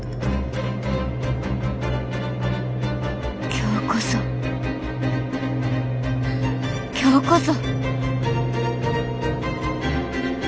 今日こそ今日こそ。